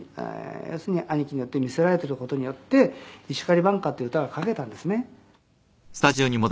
「要するに兄貴によって見せられてる事によって『石狩挽歌』という歌が書けたんですね」